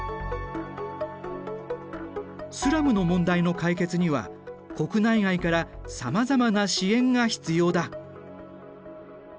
スラムの問題の解決には国内外からさまざまな支援が必要だ。